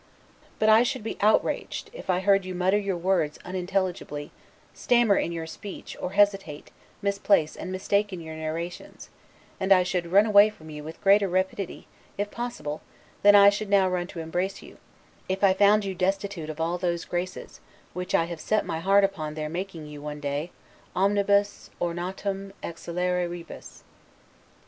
But I should be outrageous, if I heard you mutter your words unintelligibly, stammer, in your speech, or hesitate, misplace, and mistake in your narrations; and I should run away from you with greater rapidity, if possible, than I should now run to embrace you, if I found you destitute of all those graces which I have set my heart upon their making you one day, 'omnibus ornatum excellere rebus'.